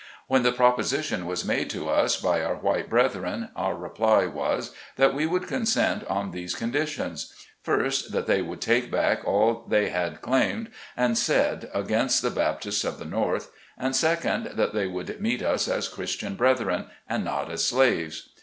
When the proposition was made to us by our white brethren, our reply was, that we would consent on these conditions : First, that they would take back all they had claimed and said against the Bap tists of the North. And second, that they would meet us as Christian brethren, and not as slaves.